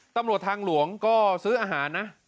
ตำรวจทางหลวงก็ซื้ออาหารนะ